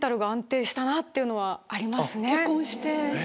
結婚して。